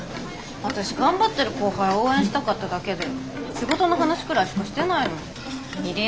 私頑張ってる後輩応援したかっただけで仕事の話くらいしかしてないのに！